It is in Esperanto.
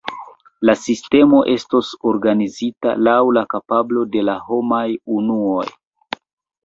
La sistemo estos organizita laŭ la kapablo de la homaj unuoj.